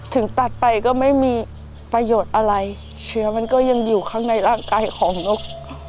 ตัดไปก็ไม่มีประโยชน์อะไรเชื้อมันก็ยังอยู่ข้างในร่างกายของนก